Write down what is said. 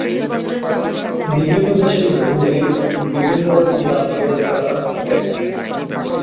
বিভিন্ন দেশে ঘুড়ির বিভিন্ন রকম নামকরণ করা হয়ে থাকে।